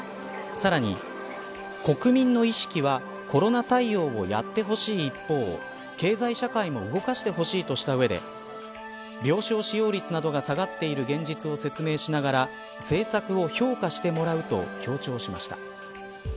さらに国民の意識はコロナ対応をやってほしい一方経済社会も動かしてほしいとした上で病床使用率などが下がっている現実を説明しながら政策を評価してもらうと強調しました。